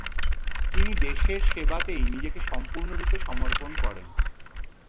তিনি দেশের সেবাতেই নিজেকে সম্পূর্ণরূপে সমর্পণ করেন।